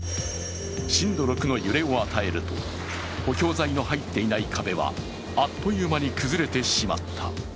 震度６の揺れを与えると補強材の入っていない壁は、あっという間に崩れてしまった。